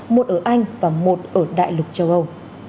một ở anh và một ở đại lục châu âu